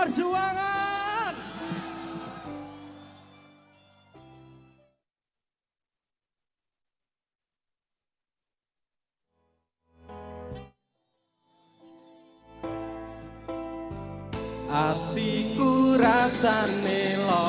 nyawa ku rambi ruang dia